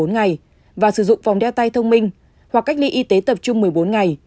bốn ngày và sử dụng phòng đeo tay thông minh hoặc cách ly y tế tập trung một mươi bốn ngày